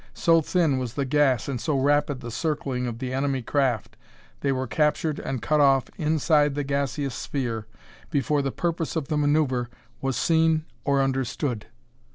So thin was the gas and so rapid the circling of the enemy craft, they were captured and cut off inside of the gaseous sphere before the purpose of the maneuver was seen or understood.